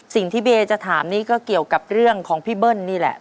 สิ่งที่เบย์จะถามนี่ก็เกี่ยวกับเรื่องของพี่เบิ้ลนี่แหละ